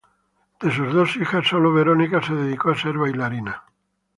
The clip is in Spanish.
De sus dos hijas, sólo Veronica se dedicó a ser bailarina.